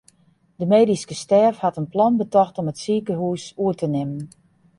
De medyske stêf hat in plan betocht om it sikehús oer te nimmen.